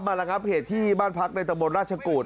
มาระงับเหตุที่บ้านพรรคในตรรวจราชกร